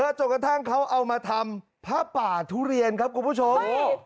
จนกระทั่งเขาเอามาทำผ้าป่าทุเรียนครับคุณผู้ชม